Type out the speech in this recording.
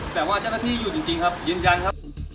แต่ว่าเจ้าหน้าที่อยู่จริงครับยืนยันครับ